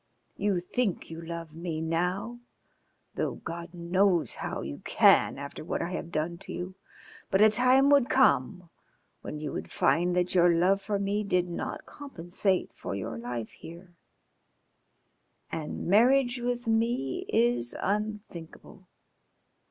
You think you love me now, though God knows how you can after what I have done to you, but a time would come when you would find that your love for me did not compensate for your life here. And marriage with me is unthinkable.